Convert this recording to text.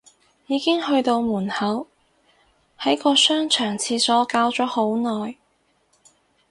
已經去到門口，喺個商場廁所搞咗好耐